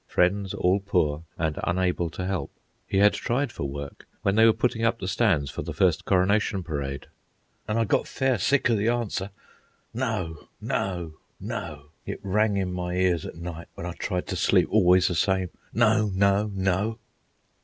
Friends all poor and unable to help. He had tried for work when they were putting up the stands for the first Coronation parade. "An' I got fair sick of the answer: 'No! no! no!' It rang in my ears at night when I tried to sleep, always the same, 'No! no! no!